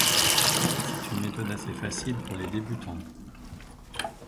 C'est une méthode assez facile pour les débutants.